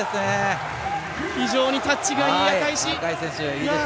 非常にタッチがいい、赤石！